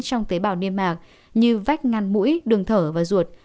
trong tế bào niêm mạc như vách ngăn mũi đường thở và ruột